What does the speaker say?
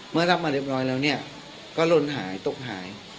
รับมาเรียบร้อยแล้วเนี่ยก็ลนหายตกหาย